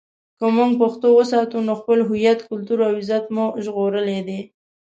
که موږ پښتو وساتو، نو خپل هویت، کلتور او عزت مو ژغورلی دی.